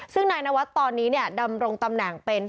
ซึ่งนายนวัฒน์ตอนนี้ดำรงตำแหน่งเป็น